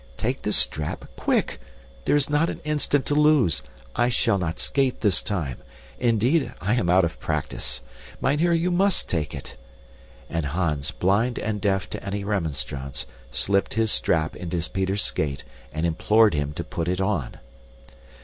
Take this strap quick! There is not an instant to lose. I shall not skate this time. Indeed, I am out of practice. Mynheer, you MUST take it." And Hans, blind and deaf to any remonstrance, slipped his strap into Peter's skate and implored him to put it on.